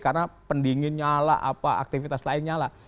karena pendingin nyala aktivitas lain nyala